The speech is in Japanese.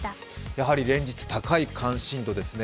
やはり連日、高い関心度ですね。